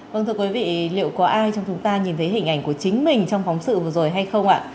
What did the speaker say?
vâng thưa quý vị liệu có ai trong chúng ta nhìn thấy hình ảnh của chính mình trong phóng sự vừa rồi hay không ạ